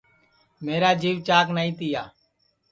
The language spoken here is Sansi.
میرا جِیوَ چاک نائی تِیا